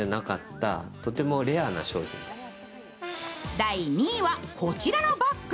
第２位はこちらのバッグ。